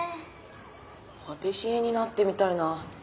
パティシエになってみたいな。